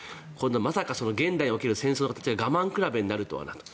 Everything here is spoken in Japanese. まさか現代における戦争の形が我慢比べになるとはと。